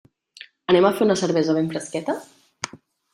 Anem a fer una cervesa ben fresqueta?